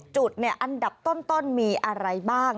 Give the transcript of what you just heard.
๑๗จุดเนี่ยอันดับต้นมีอะไรบ้าง